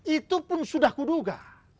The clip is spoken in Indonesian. itu pun sudah kuduga